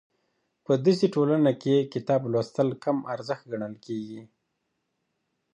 په دسې ټولنه کې کتاب لوستل کم ارزښت ګڼل کېږي.